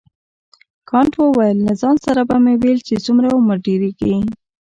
کانت وویل له ځان سره به مې ویل چې څومره عمر ډیریږي.